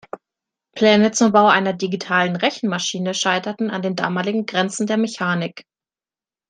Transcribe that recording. Pläne zum Bau einer digitalen Rechenmaschine scheiterten an den damaligen Grenzen der Mechanik.